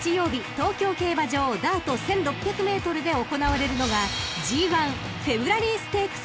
東京競馬場ダート１，６００ｍで行われるのがＧⅠフェブラリーステークス］